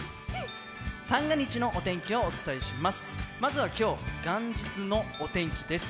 三が日のお天気をお伝えします。